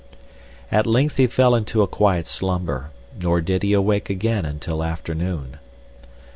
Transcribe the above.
At length he fell into a quiet slumber, nor did he awake again until afternoon.